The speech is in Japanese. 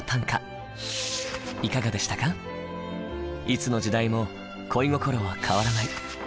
いつの時代も恋心は変わらない。